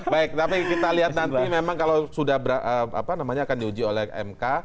baik tapi kita lihat nanti memang kalau sudah akan diuji oleh mk